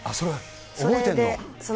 それ、覚えてるの？